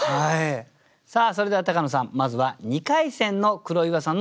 さあそれでは高野さんまずは２回戦の黒岩さんの点数の発表